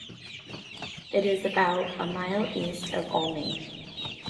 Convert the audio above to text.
It is about a mile east of Olney.